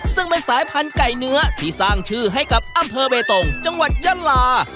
ซึ่งเป็นสายพันธุ์ไก่เนื้อที่สร้างชื่อให้กับอำเภอเบตงจังหวัดยะลา